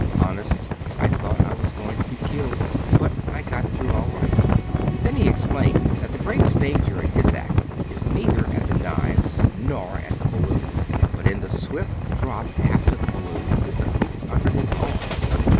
Honest, I thought I was going to be killed, but I got through all right." Then he explained that the greatest danger in his act is neither at the knives nor at the balloon, but in the swift drop after the balloon with the hoop under his arms.